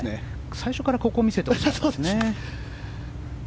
最初からここを見せてほしいですね。